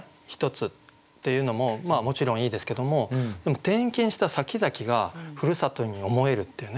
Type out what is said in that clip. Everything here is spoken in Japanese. １つっていうのももちろんいいですけどもでも転勤したさきざきがふるさとに思えるっていうね